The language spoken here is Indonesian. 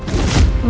adi itu adalah rendy